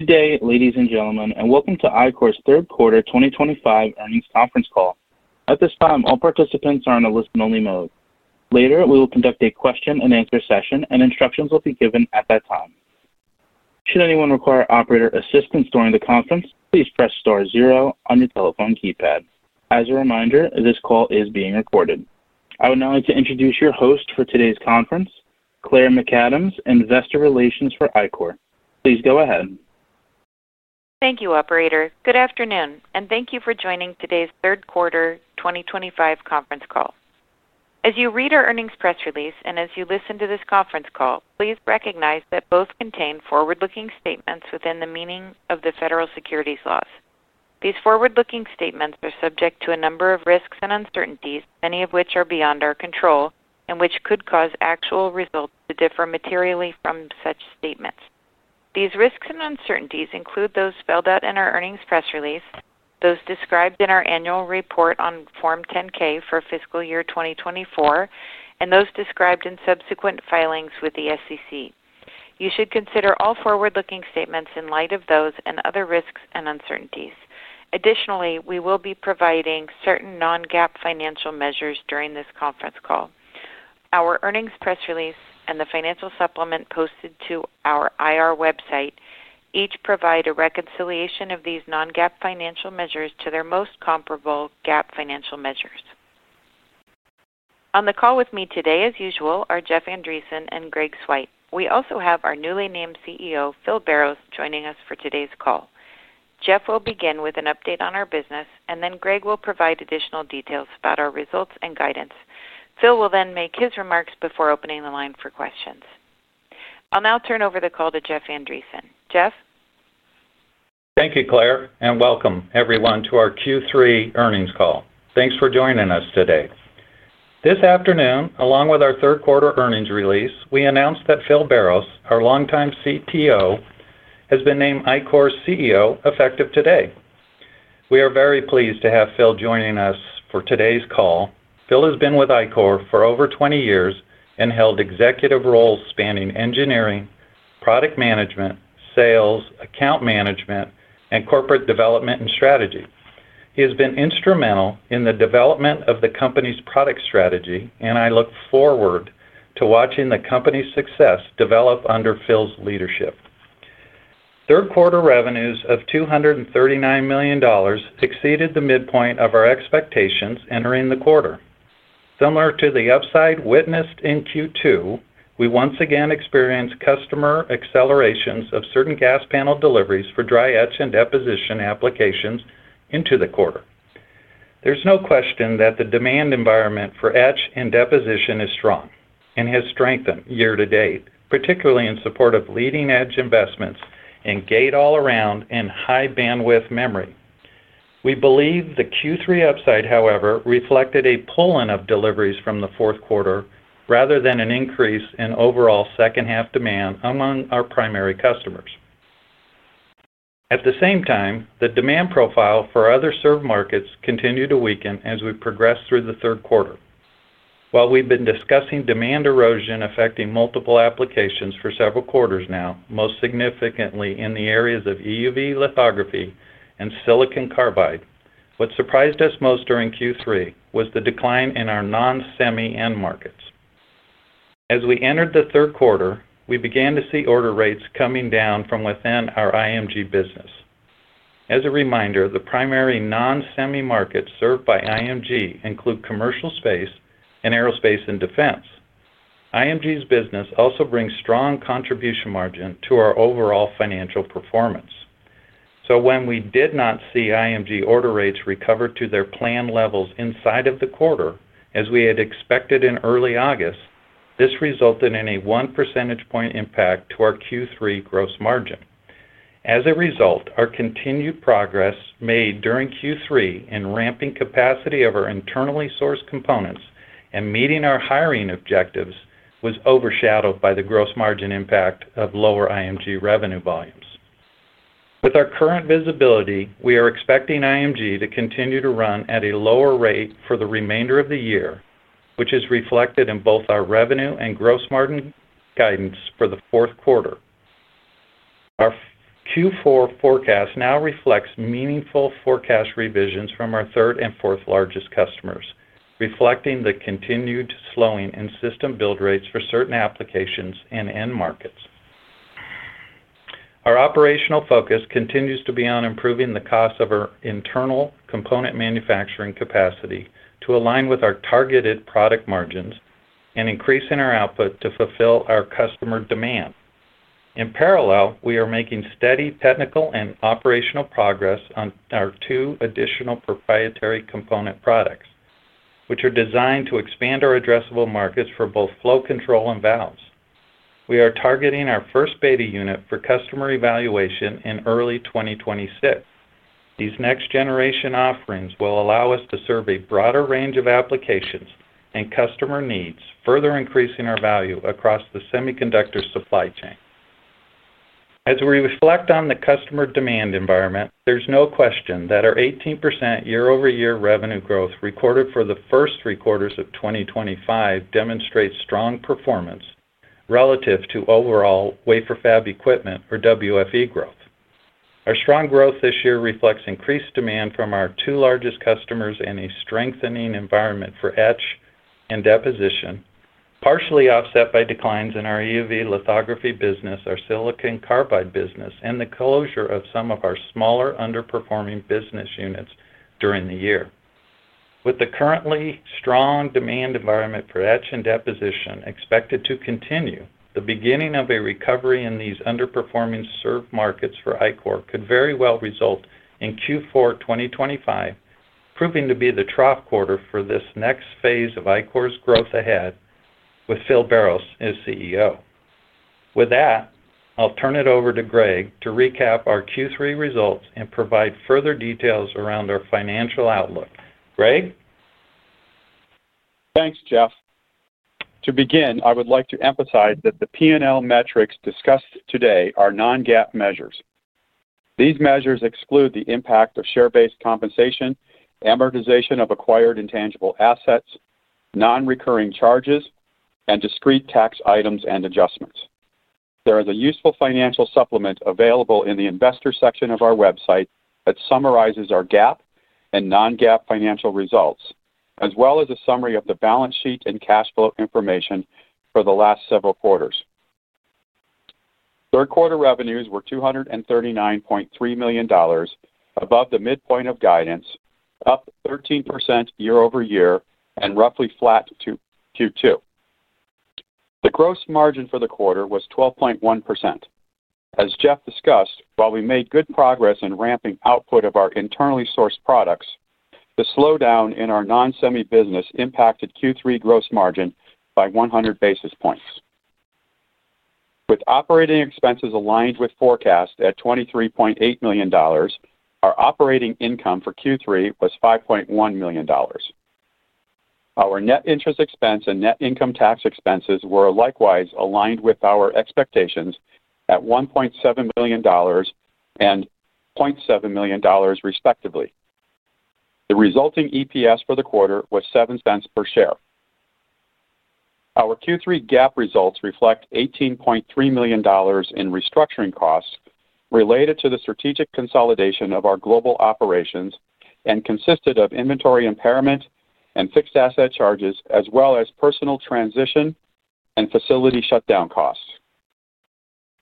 Good day, ladies and gentlemen, and welcome to Ichor's Third Quarter 2025 earnings conference call. At this time, all participants are in a listen-only mode. Later, we will conduct a question-and-answer session, and instructions will be given at that time. Should anyone require operator assistance during the conference, please press star zero on your telephone keypad. As a reminder, this call is being recorded. I would now like to introduce your host for today's conference, Claire McAdams, Investor Relations for Ichor. Please go ahead. Thank you, Operator. Good afternoon, and thank you for joining today's third quarter 2025 conference call. As you read our earnings press release and as you listen to this conference call, please recognize that both contain forward-looking statements within the meaning of the federal securities laws. These forward-looking statements are subject to a number of risks and uncertainties, many of which are beyond our control and which could cause actual results to differ materially from such statements. These risks and uncertainties include those spelled out in our earnings press release, those described in our annual report on Form 10-K for fiscal year 2024, and those described in subsequent filings with the SEC. You should consider all forward-looking statements in light of those and other risks and uncertainties. Additionally, we will be providing certain non-GAAP financial measures during this conference call. Our earnings press release and the financial supplement posted to our IR website each provide a reconciliation of these non-GAAP financial measures to their most comparable GAAP financial measures. On the call with me today, as usual, are Jeff Andreson and Greg Swyt. We also have our newly named CEO, Phil Barrows, joining us for today's call. Jeff will begin with an update on our business, and then Greg will provide additional details about our results and guidance. Phil will then make his remarks before opening the line for questions. I'll now turn over the call to Jeff Andreson. Jeff? Thank you, Claire, and welcome everyone to our Q3 earnings call. Thanks for joining us today. This afternoon, along with our third quarter earnings release, we announced that Phil Barrows, our longtime CTO, has been named Ichor's CEO effective today. We are very pleased to have Phil joining us for today's call. Phil has been with Ichor for over 20 years and held executive roles spanning engineering, product management, sales, account management, and corporate development and strategy. He has been instrumental in the development of the company's product strategy, and I look forward to watching the company's success develop under Phil's leadership. Third quarter revenues of $239 million exceeded the midpoint of our expectations entering the quarter. Similar to the upside witnessed in Q2, we once again experienced customer accelerations of certain gas panel deliveries for dry etch and deposition applications into the quarter. There's no question that the demand environment for etch and deposition is strong and has strengthened year to date, particularly in support of leading-edge investments in Gate-All-Around and High-Bandwidth Memory. We believe the Q3 upside, however, reflected a pulling of deliveries from the fourth quarter rather than an increase in overall second-half demand among our primary customers. At the same time, the demand profile for other serve markets continued to weaken as we progressed through the third quarter. While we've been discussing demand erosion affecting multiple applications for several quarters now, most significantly in the areas of EUV Lithography and Silicon Carbide, what surprised us most during Q3 was the decline in our non-semi end markets. As we entered the third quarter, we began to see order rates coming down from within our IMG business. As a reminder, the primary non-semi markets served by IMG include commercial space and aerospace and defense. IMG's business also brings strong contribution margin to our overall financial performance. So when we did not see IMG order rates recover to their planned levels inside of the quarter, as we had expected in early August, this resulted in a one percentage point impact to our Q3 gross margin. As a result, our continued progress made during Q3 in ramping capacity of our internally sourced components and meeting our hiring objectives was overshadowed by the gross margin impact of lower IMG revenue volumes. With our current visibility, we are expecting IMG to continue to run at a lower rate for the remainder of the year, which is reflected in both our revenue and gross margin guidance for the fourth quarter. Our Q4 forecast now reflects meaningful forecast revisions from our third and fourth largest customers, reflecting the continued slowing in system build rates for certain applications and end markets. Our operational focus continues to be on improving the cost of our internal component manufacturing capacity to align with our targeted product margins and increasing our output to fulfill our customer demand. In parallel, we are making steady technical and operational progress on our two additional proprietary component products, which are designed to expand our addressable markets for both flow control and valves. We are targeting our first beta unit for customer evaluation in early 2026. These next-generation offerings will allow us to serve a broader range of applications and customer needs, further increasing our value across the semiconductor supply chain. As we reflect on the customer demand environment, there's no question that our 18% year-over-year revenue growth recorded for the first three quarters of 2025 demonstrates strong performance relative to overall wafer fab equipment or WFE growth. Our strong growth this year reflects increased demand from our two largest customers and a strengthening environment for etch and deposition, partially offset by declines in our EUV lithography business, our silicon carbide business, and the closure of some of our smaller underperforming business units during the year. With the currently strong demand environment for etch and deposition expected to continue, the beginning of a recovery in these underperforming serve markets for Ichor could very well result in Q4 2025 proving to be the trough quarter for this next phase of Ichor's growth ahead with Phil Barrows as CEO. With that, I'll turn it over to Greg to recap our Q3 results and provide further details around our financial outlook. Greg? Thanks, Jeff. To begin, I would like to emphasize that the P&L metrics discussed today are non-GAAP measures. These measures exclude the impact of share-based compensation, amortization of acquired intangible assets, non-recurring charges, and discrete tax items and adjustments. There is a useful financial supplement available in the investor section of our website that summarizes our GAAP and non-GAAP financial results, as well as a summary of the balance sheet and cash flow information for the last several quarters. Third quarter revenues were $239.3 million, above the midpoint of guidance, up 13% year-over-year and roughly flat to Q2. The gross margin for the quarter was 12.1%. As Jeff discussed, while we made good progress in ramping output of our internally sourced products, the slowdown in our non-semi business impacted Q3 gross margin by 100 basis points. With operating expenses aligned with forecast at $23.8 million, our operating income for Q3 was $5.1 million. Our net interest expense and net income tax expenses were likewise aligned with our expectations at $1.7 million and $0.7 million, respectively. The resulting EPS for the quarter was $0.07 per share. Our Q3 GAAP results reflect $18.3 million in restructuring costs related to the strategic consolidation of our global operations and consisted of inventory impairment and fixed asset charges, as well as personnel transition and facility shutdown costs.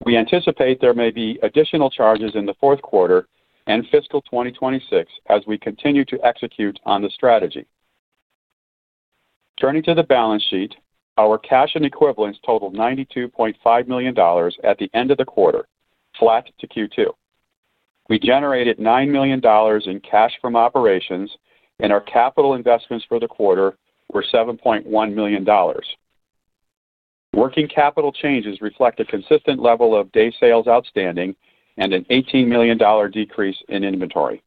We anticipate there may be additional charges in the fourth quarter and fiscal 2026 as we continue to execute on the strategy. Turning to the balance sheet, our cash and equivalents totaled $92.5 million at the end of the quarter, flat to Q2. We generated $9 million in cash from operations, and our capital investments for the quarter were $7.1 million. Working capital changes reflect a consistent level of day sales outstanding and an $18 million decrease in inventory.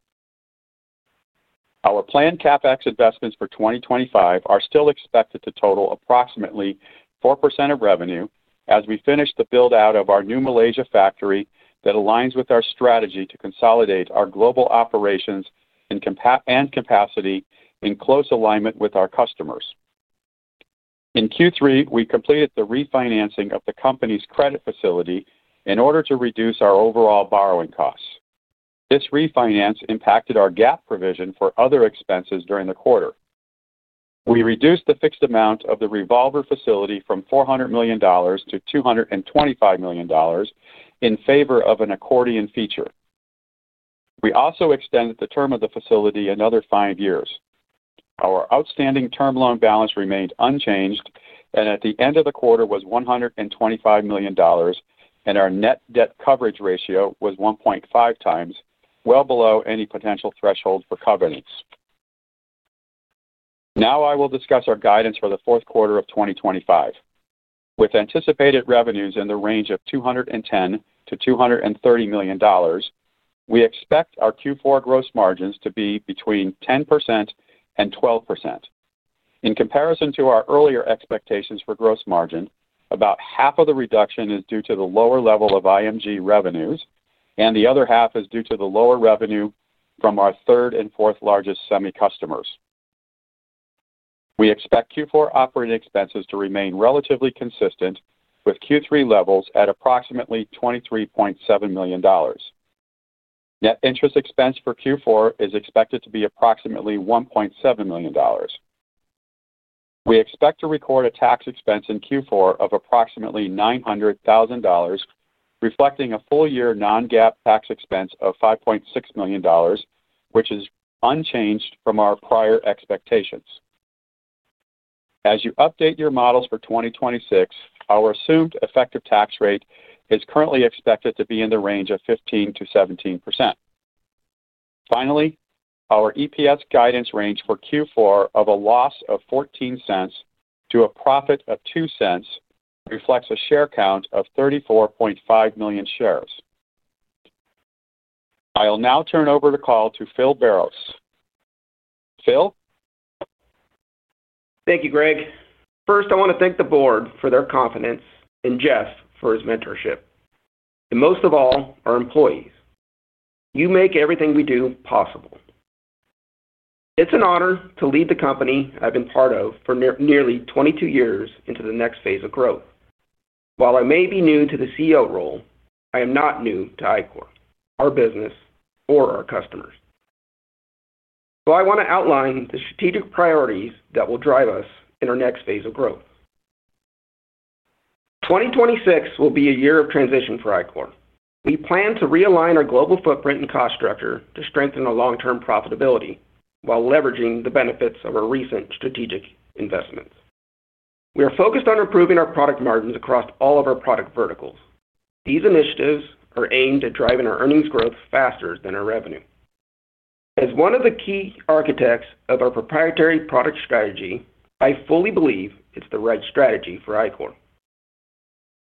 Our planned CapEx investments for 2025 are still expected to total approximately 4% of revenue as we finish the build-out of our new Malaysia factory that aligns with our strategy to consolidate our global operations and capacity in close alignment with our customers. In Q3, we completed the refinancing of the company's credit facility in order to reduce our overall borrowing costs. This refinance impacted our GAAP provision for other expenses during the quarter. We reduced the fixed amount of the revolver facility from $400 million to $225 million in favor of an Accordion feature. We also extended the term of the facility another five years. Our outstanding term loan balance remained unchanged, and at the end of the quarter was $125 million, and our net debt coverage ratio was 1.5x, well below any potential threshold for covenants. Now I will discuss our guidance for the fourth quarter of 2025. With anticipated revenues in the range of $210 million-$230 million, we expect our Q4 gross margins to be between 10%-12%. In comparison to our earlier expectations for gross margin, about half of the reduction is due to the lower level of IMG revenues, and the other half is due to the lower revenue from our third and fourth largest semi customers. We expect Q4 operating expenses to remain relatively consistent with Q3 levels at approximately $23.7 million. Net interest expense for Q4 is expected to be approximately $1.7 million. We expect to record a tax expense in Q4 of approximately $900,000. Reflecting a full-year non-GAAP tax expense of $5.6 million, which is unchanged from our prior expectations. As you update your models for 2026, our assumed effective tax rate is currently expected to be in the range of 15%-17%. Finally, our EPS guidance range for Q4 of a loss of $0.14 to a profit of $0.02 reflects a share count of 34.5 million shares. I'll now turn over the call to Phil Barrows. Phil? Thank you, Greg. First, I want to thank the board for their confidence and Jeff for his mentorship. And most of all, our employees. You make everything we do possible. It's an honor to lead the company I've been part of for nearly 22 years into the next phase of growth. While I may be new to the CEO role, I am not new to Ichor, our business, or our customers. I want to outline the strategic priorities that will drive us in our next phase of growth. 2026 will be a year of transition for Ichor. We plan to realign our global footprint and cost structure to strengthen our long-term profitability while leveraging the benefits of our recent strategic investments. We are focused on improving our product margins across all of our product verticals. These initiatives are aimed at driving our earnings growth faster than our revenue. As one of the key architects of our proprietary product strategy, I fully believe it's the right strategy for Ichor.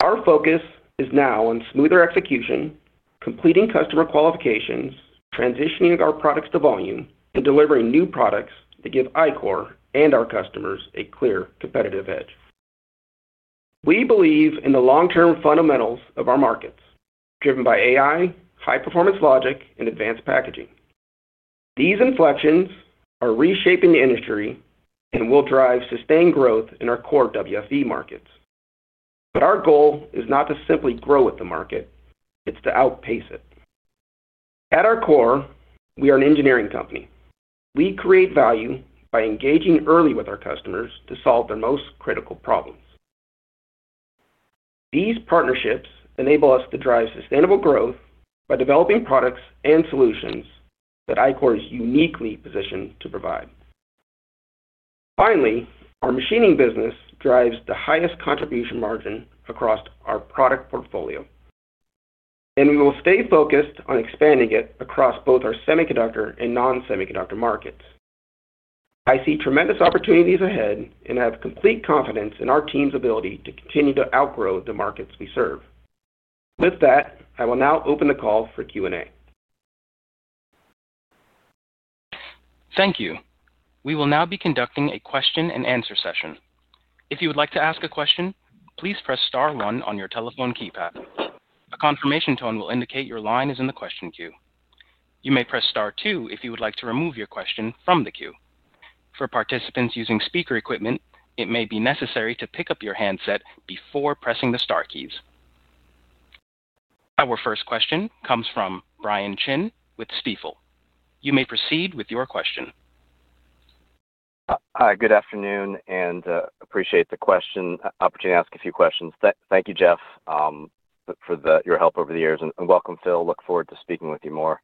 Our focus is now on smoother execution, completing customer qualifications, transitioning our products to volume, and delivering new products to give Ichor and our customers a clear competitive edge. We believe in the long-term fundamentals of our markets, driven by AI, high-performance logic, and advanced packaging. These inflections are reshaping the industry and will drive sustained growth in our core WFE markets. Our goal is not to simply grow with the market; it's to outpace it. At our core, we are an engineering company. We create value by engaging early with our customers to solve their most critical problems. These partnerships enable us to drive sustainable growth by developing products and solutions that Ichor is uniquely positioned to provide. Finally, our machining business drives the highest contribution margin across our product portfolio. We will stay focused on expanding it across both our semiconductor and non-semiconductor markets. I see tremendous opportunities ahead and have complete confidence in our team's ability to continue to outgrow the markets we serve. With that, I will now open the call for Q&A. Thank you. We will now be conducting a question-and-answer session. If you would like to ask a question, please press star one on your telephone keypad. A confirmation tone will indicate your line is in the question queue. You may press star two if you would like to remove your question from the queue. For participants using speaker equipment, it may be necessary to pick up your handset before pressing the star keys. Our first question comes from Brian Chin with Stifel. You may proceed with your question. Hi, good afternoon, and appreciate the question, opportunity to ask a few questions. Thank you, Jeff, for your help over the years. And welcome, Phil. Look forward to speaking with you more.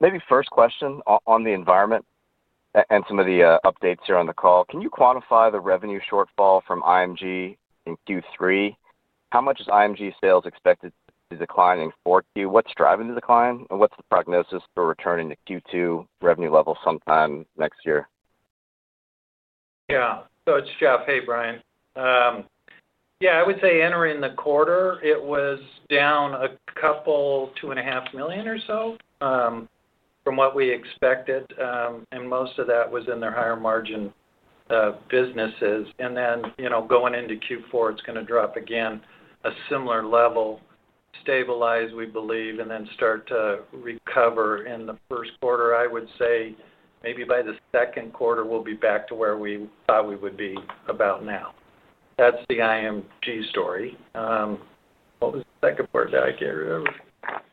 Maybe first question on the environment. And some of the updates here on the call. Can you quantify the revenue shortfall from IMG in Q3? How much is IMG sales expected to decline in Q4? What's driving the decline? And what's the prognosis for returning to Q2 revenue levels sometime next year? Yeah. So it's Jeff. Hey, Brian. Yeah, I would say entering the quarter, it was down a couple, $2.5 million or so from what we expected. And most of that was in their higher margin businesses. Going into Q4, it's going to drop again a similar level, stabilize, we believe, and then start to recover in the first quarter. I would say maybe by the second quarter, we'll be back to where we thought we would be about now. That's the IMG story. What was the second part that I can't remember?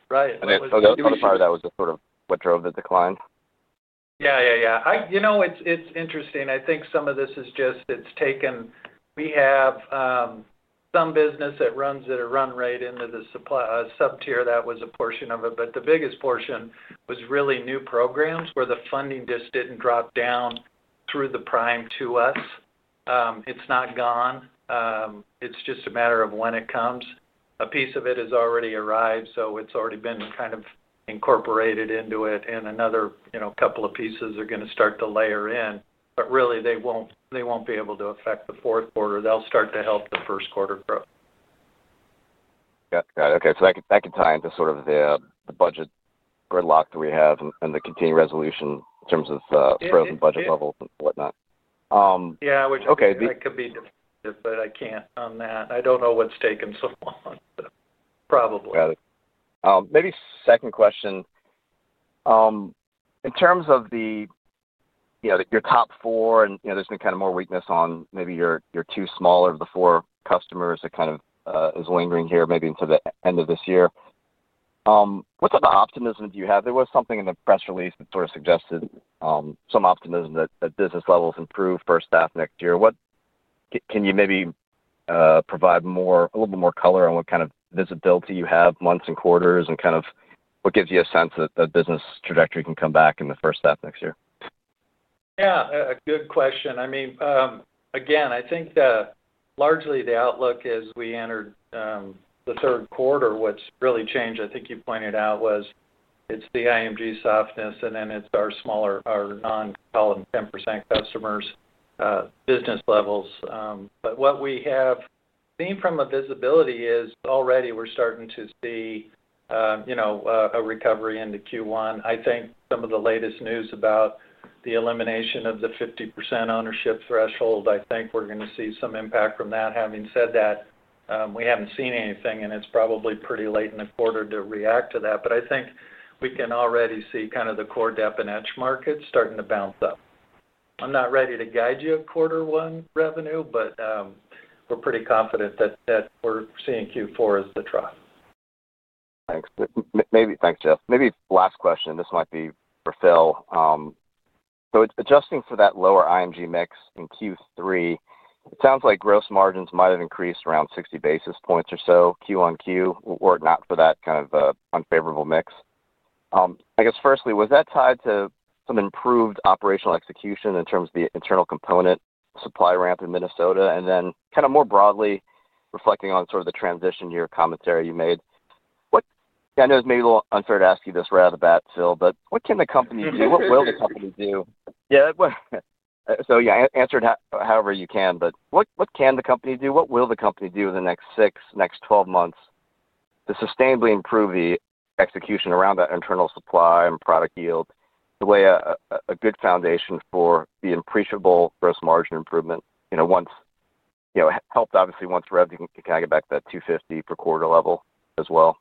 Right. So that was the part that was sort of what drove the decline? Yeah, yeah, yeah. It's interesting. I think some of this is just, it's taken we have some business that runs at a run rate into the supply sub-tier that was a portion of it. The biggest portion was really new programs where the funding just didn't drop down through the prime to us. It's not gone. It's just a matter of when it comes. A piece of it has already arrived, so it's already been kind of incorporated into it. Another couple of pieces are going to start to layer in. Really, they won't be able to affect the fourth quarter. They'll start to help the first quarter grow. Got it. Okay. So that can tie into sort of the budget gridlock that we have and the continued resolution in terms of frozen budget levels and whatnot. Yeah, which I think that could be definitive, but I can't on that. I don't know what's taken so long. Probably. Got it. Maybe second question. In terms of your top four, and there's been kind of more weakness on maybe your two smaller of the four customers that kind of is lingering here maybe until the end of this year. What type of optimism do you have? There was something in the press release that sort of suggested some optimism that business levels improve first half next year. Can you maybe provide a little bit more color on what kind of visibility you have months and quarters and kind of what gives you a sense that the business trajectory can come back in the first half next year? Yeah, a good question. I mean, again, I think largely the outlook as we entered the third quarter, what's really changed, I think you pointed out, was it's the IMG softness, and then it's our smaller, our non-10% customers business levels. What we have seen from a visibility is already we're starting to see a recovery into Q1. I think some of the latest news about the elimination of the 50% ownership threshold, I think we're going to see some impact from that. Having said that, we haven't seen anything, and it's probably pretty late in the quarter to react to that. I think we can already see kind of the core depth and edge markets starting to bounce up. I'm not ready to guide you a quarter one revenue, but we're pretty confident that we're seeing Q4 as the trough. Thanks. Thanks, Jeff. Maybe last question. This might be for Phil. So adjusting for that lower IMG mix in Q3, it sounds like gross margins might have increased around 60 basis points or so QoQ, or not for that kind of unfavorable mix. I guess firstly, was that tied to some improved operational execution in terms of the internal component supply ramp in Minnesota? And then kind of more broadly, reflecting on sort of the transition year commentary you made, I know it's maybe a little unfair to ask you this right out of the bat, Phil, but what can the company do? What will the company do? Yeah. So yeah, answer it however you can, but what can the company do? What will the company do in the next 6, next 12 months to sustainably improve the execution around that internal supply and product yield the way a good foundation for the appreciable gross margin improvement once. Helped, obviously, once Rev can I get back to that 250 per quarter level as well?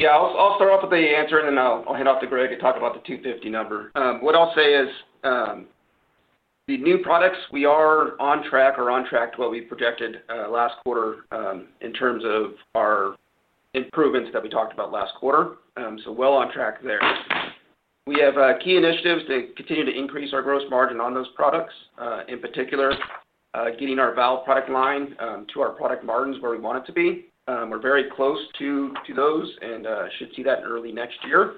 Yeah, I'll start off with the answer, and then I'll head off to Greg and talk about the 250 number. What I'll say is the new products, we are on track or on track to what we projected last quarter in terms of our improvements that we talked about last quarter. So well on track there. We have key initiatives to continue to increase our gross margin on those products. In particular, getting our valve product line to our product margins where we want it to be. We're very close to those and should see that in early next year.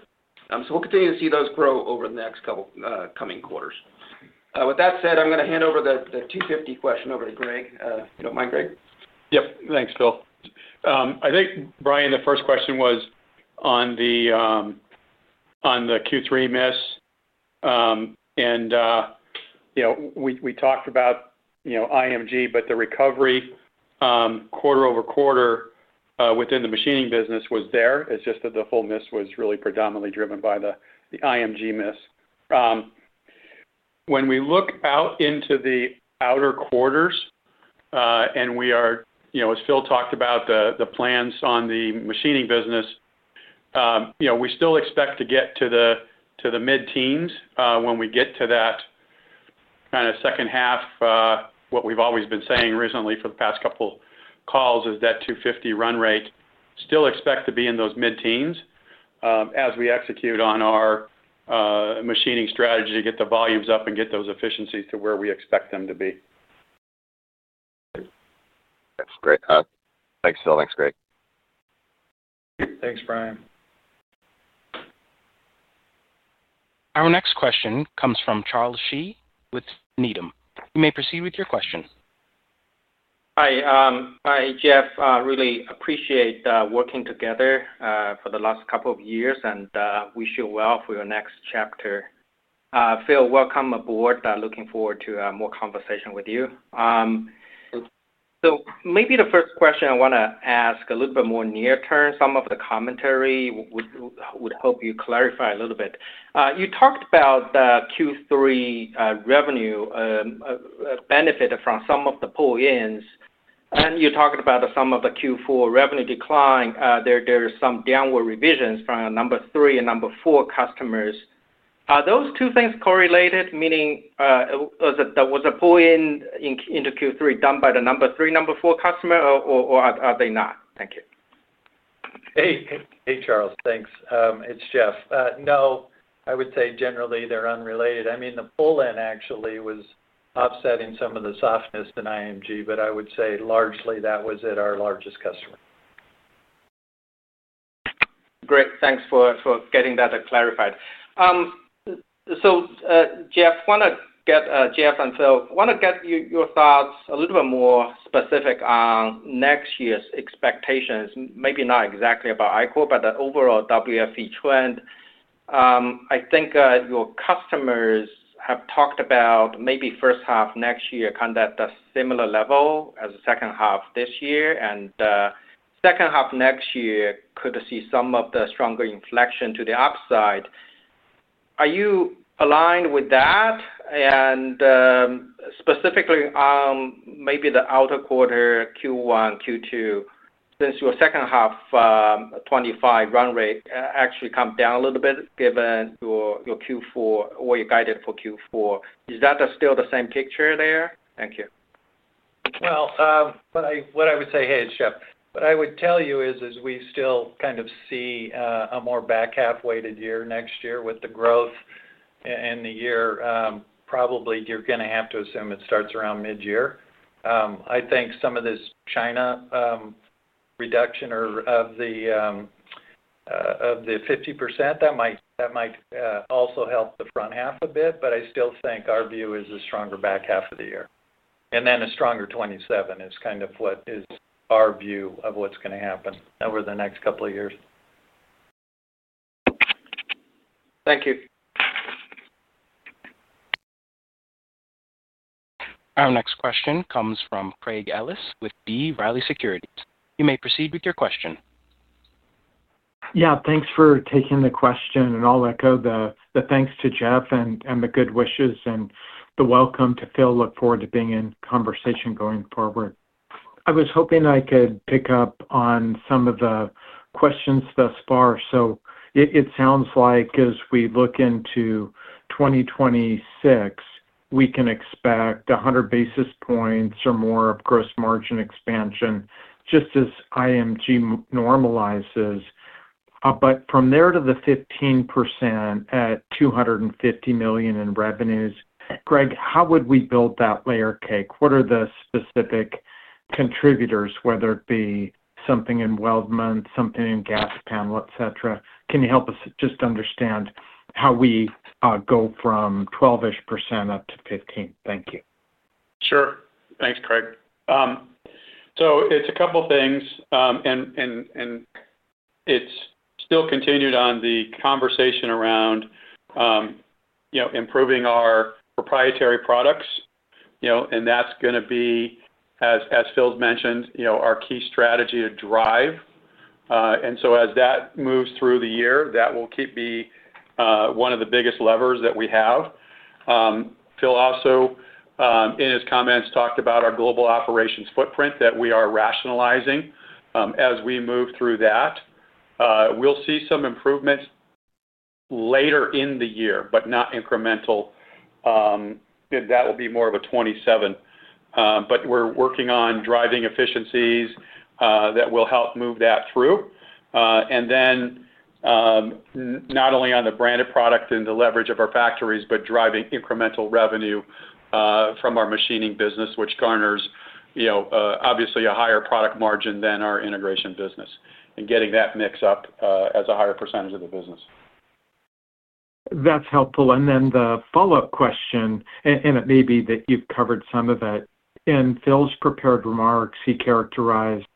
We'll continue to see those grow over the next couple coming quarters. With that said, I'm going to hand over the 250 question over to Greg. You don't mind, Greg? Yep. Thanks, Phil. I think, Brian, the first question was on the Q3 miss. We talked about IMG, but the recovery quarter over quarter within the machining business was there. It's just that the full miss was really predominantly driven by the IMG miss. When we look out into the outer quarters, we are, as Phil talked about, the plans on the machining business. We still expect to get to the mid-teens. When we get to that kind of second half, what we've always been saying recently for the past couple calls is that $250 run rate still expect to be in those mid-teens as we execute on our machining strategy to get the volumes up and get those efficiencies to where we expect them to be. That's great. Thanks, Phil. Thanks, Greg. Thanks, Brian. Our next question comes from Charles Shi with Needham. You may proceed with your question. Hi. Hi, Jeff. Really appreciate working together for the last couple of years, and we wish you well for your next chapter. Phil, welcome aboard. Looking forward to more conversation with you. Maybe the first question I want to ask is a little bit more near-term. Some of the commentary would help you clarify a little bit. You talked about the Q3 revenue benefit from some of the pull-ins. You talked about some of the Q4 revenue decline. There are some downward revisions from number three and number four customers. Are those two things correlated, meaning, was a pull-in into Q3 done by the number three and number four customer, or are they not? Thank you. Hey, Charles, thanks. It's Jeff. No, I would say generally they're unrelated. I mean, the pull-in actually was offsetting some of the softness in IMG, but I would say largely that was at our largest customer. Great. Thanks for getting that clarified. Jeff, I want to get, Jeff and Phil, I want to get your thoughts a little bit more specific on next year's expectations, maybe not exactly about Ichor, but the overall WFE trend. I think your customers have talked about maybe first half next year kind of at the similar level as the second half this year. Second half next year could see some of the stronger inflection to the upside. Are you aligned with that? Specifically on maybe the outer quarter Q1, Q2, since your second half 2025 run rate actually come down a little bit given your Q4 or you guided for Q4, is that still the same picture there? Thank you. Hey, it's Jeff. What I would tell you is we still kind of see a more back half-weighted year next year with the growth. The year, probably you're going to have to assume it starts around mid-year. I think some of this China reduction of the 50%, that might also help the front half a bit, but I still think our view is a stronger back half of the year. A stronger 2027 is kind of what is our view of what's going to happen over the next couple of years. Thank you. Our next question comes from Craig Ellis with B. Riley Securities. You may proceed with your question. Yeah, thanks for taking the question. I'll echo the thanks to Jeff and the good wishes and the welcome to Phil. Look forward to being in conversation going forward. I was hoping I could pick up on some of the questions thus far. It sounds like as we look into 2026, we can expect 100 basis points or more of gross margin expansion just as IMG normalizes. From there to the 15% at $250 million in revenues, Greg, how would we build that layer cake? What are the specific contributors, whether it be something in weld month, something in gas panel, etc.? Can you help us just understand how we go from 12-ish % up to 15%? Thank you. Sure. Thanks, Craig. It is a couple of things. It is still continued on the conversation around improving our proprietary products. That is going to be, as Phil mentioned, our key strategy to drive. As that moves through the year, that will keep being one of the biggest levers that we have. Phil also, in his comments, talked about our global operations footprint that we are rationalizing as we move through that. We will see some improvements later in the year, but not incremental. That will be more of a 2027. We are working on driving efficiencies that will help move that through. Not only on the branded product and the leverage of our factories, but driving incremental revenue from our machining business, which garners obviously a higher product margin than our integration business and getting that mix up as a higher percentage of the business. That's helpful. The follow-up question, and it may be that you've covered some of it. In Phil's prepared remarks, he characterized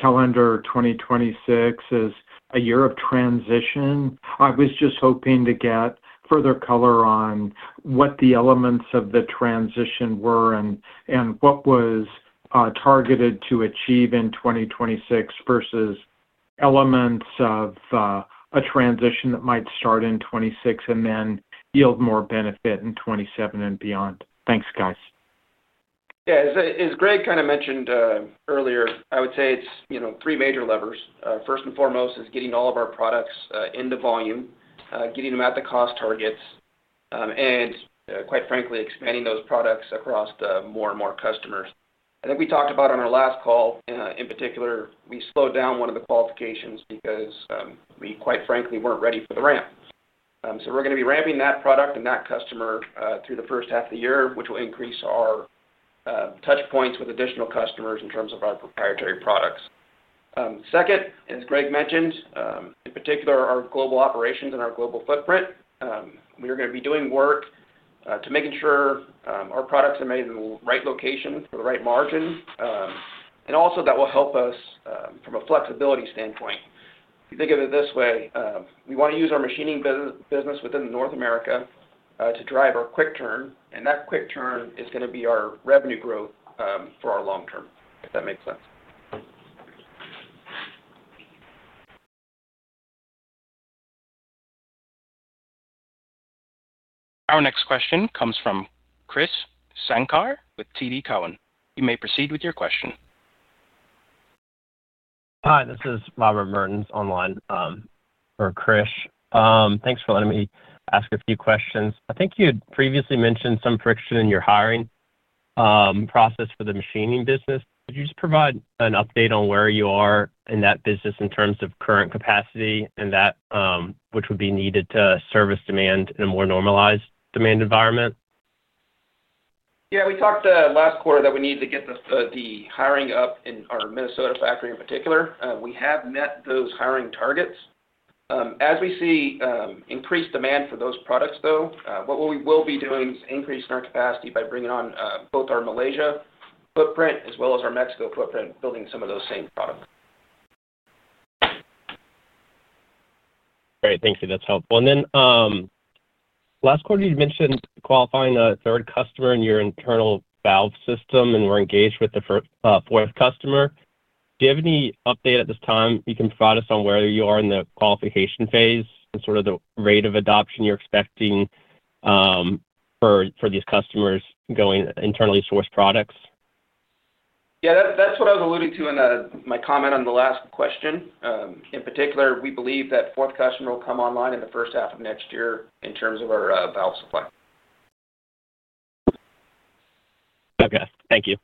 calendar 2026 as a year of transition. I was just hoping to get further color on what the elements of the transition were and what was targeted to achieve in 2026 vs elements of a transition that might start in 2026 and then yield more benefit in 2027 and beyond. Thanks, guys. Yeah, as Greg kind of mentioned earlier, I would say it's three major levers. First and foremost is getting all of our products into volume, getting them at the cost targets. And quite frankly, expanding those products across more and more customers. I think we talked about on our last call, in particular, we slowed down one of the qualifications because we quite frankly weren't ready for the ramp. We are going to be ramping that product and that customer through the first half of the year, which will increase our touch points with additional customers in terms of our proprietary products. Second, as Greg mentioned, in particular, our global operations and our global footprint. We are going to be doing work to making sure our products are made in the right location for the right margin. Also, that will help us from a flexibility standpoint. If you think of it this way, we want to use our machining business within North America to drive our quick turn. That quick turn is going to be our revenue growth for our long term, if that makes sense. Our next question comes from Krish Sankar with TD Cowen. You may proceed with your question. Hi, this is Robert Merton's online for Krish. Thanks for letting me ask a few questions. I think you had previously mentioned some friction in your hiring process for the machining business. Could you just provide an update on where you are in that business in terms of current capacity and that which would be needed to service demand in a more normalized demand environment? Yeah, we talked last quarter that we need to get the hiring up in our Minnesota factory in particular. We have met those hiring targets. As we see increased demand for those products, though, what we will be doing is increasing our capacity by bringing on both our Malaysia footprint as well as our Mexico footprint, building some of those same products. Great. Thank you. That's helpful. Last quarter, you mentioned qualifying a third customer in your internal valve system, and we're engaged with the fourth customer. Do you have any update at this time? You can provide us on where you are in the qualification phase and sort of the rate of adoption you're expecting for these customers going internally sourced products. Yeah, that's what I was alluding to in my comment on the last question. In particular, we believe that fourth customer will come online in the first half of next year in terms of our valve supply. Okay. Thank you.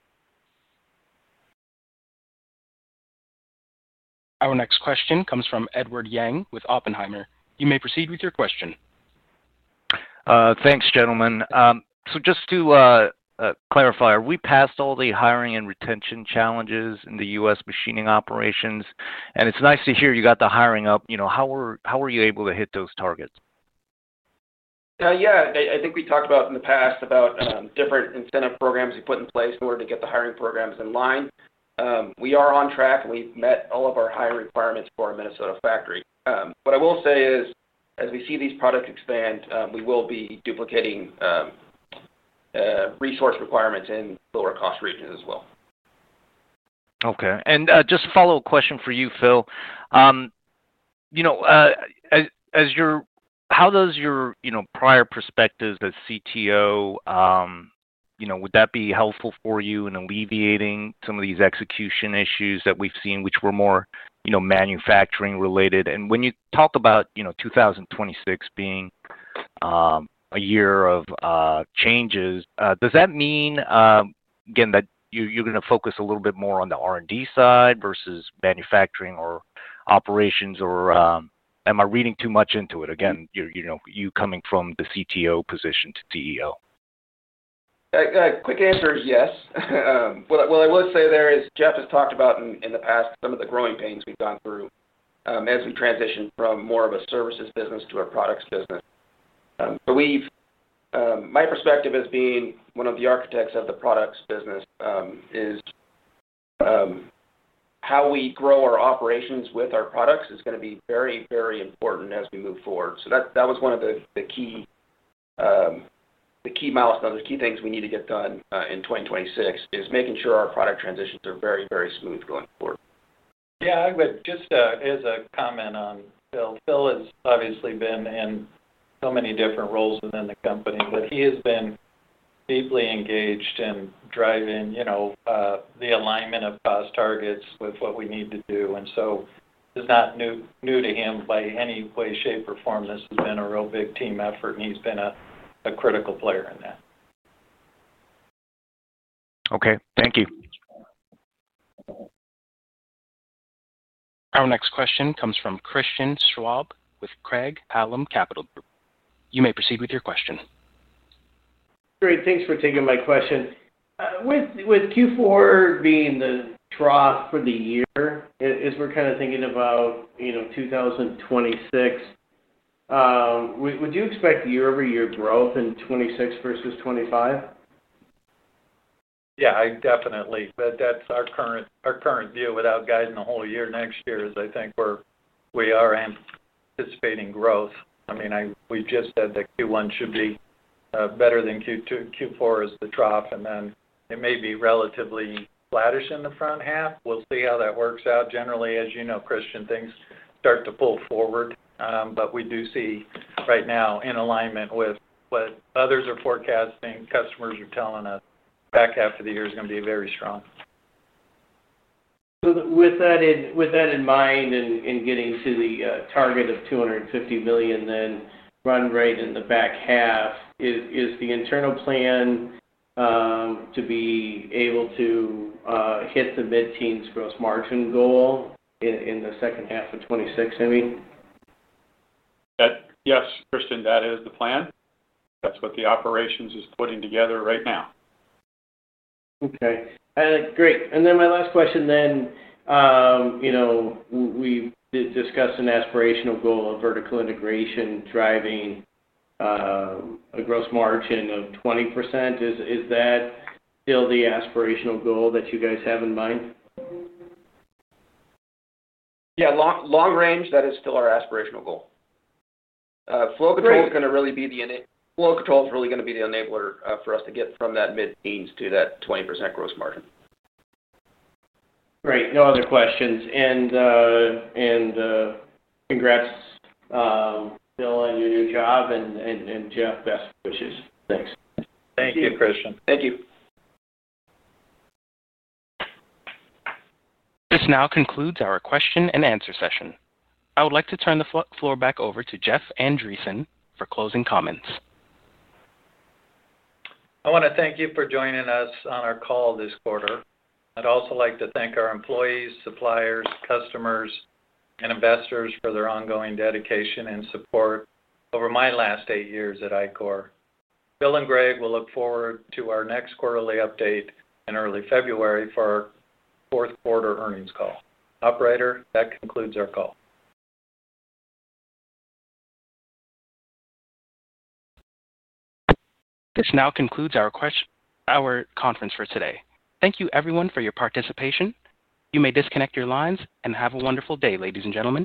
Our next question comes from Edward Yang with Oppenheimer. You may proceed with your question. Thanks, gentlemen. Just to clarify, are we past all the hiring and retention challenges in the U.S. machining operations? It's nice to hear you got the hiring up. How were you able to hit those targets? Yeah, I think we talked about in the past about different incentive programs we put in place in order to get the hiring programs in line. We are on track, and we've met all of our hiring requirements for our Minnesota factory. What I will say is, as we see these products expand, we will be duplicating resource requirements in lower cost regions as well. Okay. And just a follow-up question for you, Phil. How does your prior perspective as CTO, would that be helpful for you in alleviating some of these execution issues that we've seen, which were more manufacturing related? When you talk about 2026 being a year of changes, does that mean again that you're going to focus a little bit more on the R&D side versus manufacturing or operations? Or am I reading too much into it? Again, you coming from the CTO position to CEO. Quick answer is yes. What I will say there is Jeff has talked about in the past some of the growing pains we've gone through. As we transition from more of a services business to our products business. My perspective as being one of the architects of the products business is how we grow our operations with our products is going to be very, very important as we move forward. That was one of the key milestones, the key things we need to get done in 2026 is making sure our product transitions are very, very smooth going forward. Yeah, I would just as a comment on Phil. Phil has obviously been in so many different roles within the company, but he has been deeply engaged in driving. The alignment of cost targets with what we need to do. It is not new to him by any way, shape, or form. This has been a real big team effort, and he's been a critical player in that. Okay. Thank you. Our next question comes from Christian Schwab with Craig-Hallum Capital Group. You may proceed with your question. Great. Thanks for taking my question. With Q4 being the trough for the year, as we're kind of thinking about 2026, would you expect year-over-year growth in 2026 versus 2025? Yeah, I definitely bet that's our current view without guiding the whole year. Next year is, I think, where we are anticipating growth. I mean, we just said that Q1 should be better than Q2. Q4 is the trough, and then it may be relatively flattish in the front half. We'll see how that works out. Generally, as you know, Christian, things start to pull forward, but we do see right now in alignment with what others are forecasting, customers are telling us back half of the year is going to be very strong. With that in mind and getting to the target of $250 million then run rate in the back half, is the internal plan to be able to hit the mid-teens gross margin goal in the second half of 2026, I mean? Yes, Christian, that is the plan. That's what the operations is putting together right now. Okay. Great. My last question then. We discussed an aspirational goal of vertical integration driving a gross margin of 20%. Is that still the aspirational goal that you guys have in mind? Yeah, long range, that is still our aspirational goal. Flow control is really going to be the enabler for us to get from that mid-teens to that 20% gross margin. Great. No other questions. Congrats, Phil, on your new job and Jeff, best wishes. Thanks. Thank you, Christian. Thank you. This now concludes our question and answer session. I would like to turn the floor back over to Jeff Andreson for closing comments. I want to thank you for joining us on our call this quarter. I'd also like to thank our employees, suppliers, customers, and investors for their ongoing dedication and support over my last eight years at Ichor. Phil and Greg will look forward to our next quarterly update in early February for our fourth quarter earnings call. Operator, that concludes our call. This now concludes our conference for today. Thank you, everyone, for your participation. You may disconnect your lines and have a wonderful day, ladies and gentlemen.